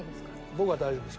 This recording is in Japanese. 僕は大丈夫です。